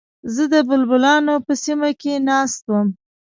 زه د بلبلانو په سیمه کې ناست وم.